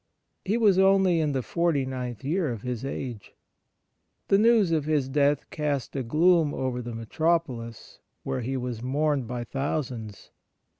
He was only in the forty ninth year of his age. ■ The news of his death cast a gloom over the Metropolis, where he w^as mourned by thousands.